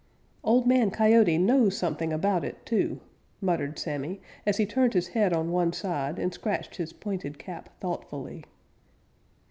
"Old Man Coyote knows something about it, too," muttered Sammy, as he turned his head on one side and scratched his pointed cap thoughtfully.